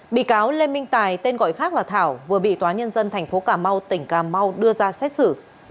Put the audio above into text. bị cáo lê minh tài tên gọi khác là thảo vừa bị tòa nhân dân thành phố cà mau tỉnh cà mau đưa ra xét xử